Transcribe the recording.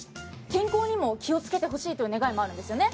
健康にも気をつけてほしいという願いもあるんですよね？